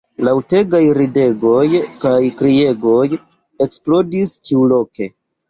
Laŭtegaj ridegoj kaj kriegoj eksplodis ĉiuloke.